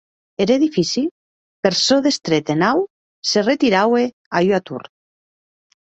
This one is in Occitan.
Er edifici, per çò d’estret e naut, se retiraue a ua tor.